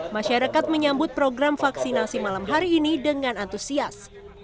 masyarakat menyambut program vaksinasi malam hari ini dengan antusias